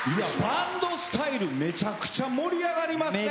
バンドスタイルめちゃくちゃ盛り上がりますね。